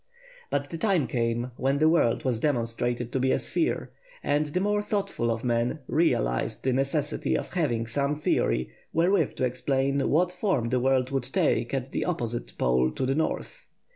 But the time came when the world was demonstrated to be a sphere, and the more thoughtful of men realised the necessity of having some theory wherewith to explain what form the world would take at the opposite pole to the North.